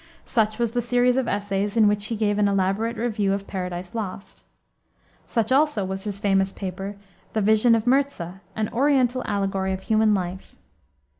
Such was the series of essays, in which he gave an elaborate review of Paradise Lost. Such also was his famous paper, the Vision of Mirza, an oriental allegory of human life.